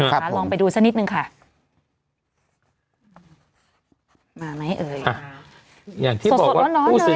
ครับค่ะลองไปดูซะนิดหนึ่งค่ะมาไหมเอ่ยอ่ะอย่างที่บอกว่าร้อนเลย